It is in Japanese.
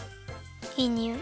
いいにおい。